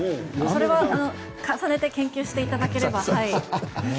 それは重ねて研究していただければ。